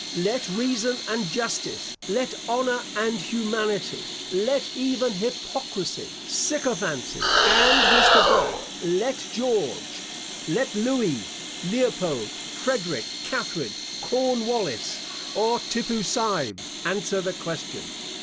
Let reason and justice, let honour and humanity, let even hypocrisy, sycophancy and Mr. Burke, let George, let Louis, Leopold, Frederic, Catherine, Cornwallis, or Tippoo Saib, answer the question.